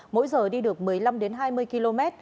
mỗi giờ đi được một mươi năm hai mươi km